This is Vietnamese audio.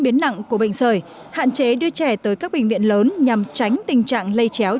biến nặng của bệnh sởi hạn chế đưa trẻ tới các bệnh viện lớn nhằm tránh tình trạng lây chéo